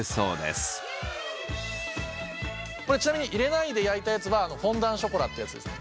ちなみに入れないで焼いたやつはフォンダンショコラってやつですね。